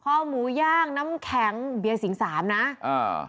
หมูย่างน้ำแข็งเบียร์สิงสามนะอ่า